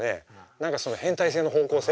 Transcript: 何かその変態性の方向性。